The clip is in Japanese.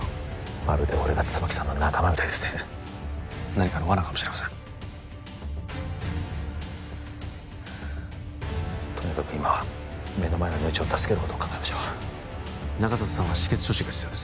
まるで俺が椿さんの仲間みたいですね何かの罠かもしれませんとにかく今は目の前の命を助けることを考えましょう中里さんは止血処置が必要です